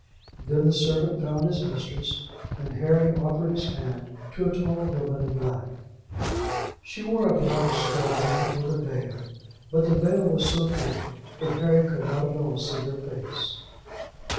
Then the servant found his mistress, and Harry offered his hand to a tall woman in black. She wore a black straw hat with a veil, but the veil was so thick that Harry could not at all see her face.